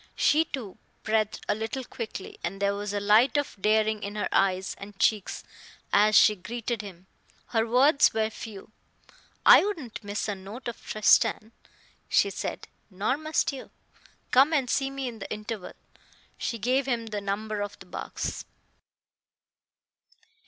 She, too, breathed a little quickly, and there was a light of daring in her eyes and cheeks as she greeted him. Her words were few. "I wouldn't miss a note of Tristan," she said, "nor must you. Come and see me in the interval." She gave him the number of the box.